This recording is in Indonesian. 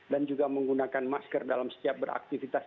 dan juga menggunakan masker dalam setiap beraktivitas